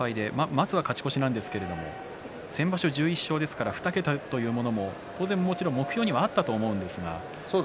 まずは勝ち越しなんですが先場所１１勝ですから２桁ということも目標にはあったと思います。